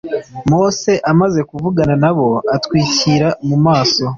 Mose amaze kuvugana nabo atwikira mu maso